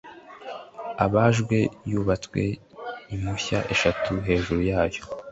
abajwe yubatswe impushya eshatu hejuru yayo